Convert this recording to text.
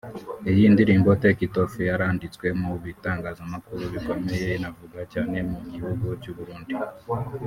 Iyi ndirimbo ‘Take it Off’ yaranditswe mu bitangazamakuru bikomeye inavugwa cyane mu gihugu cy’u Burundi